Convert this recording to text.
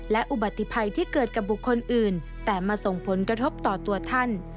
และอุบัติภัยที่เกิดกับบุคคลอื่นแต่มาส่งผลกระทบต่อตัวท่าน